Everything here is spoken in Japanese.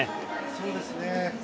そうですね。